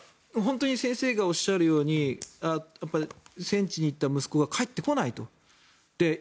本当に先生がおっしゃるように戦地に行った息子が帰ってこないと。